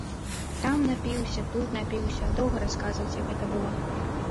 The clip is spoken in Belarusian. Там напіўся, тут напіўся, доўга расказваць, як гэта было.